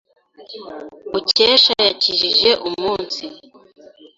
Mukesha yakijije umunsi.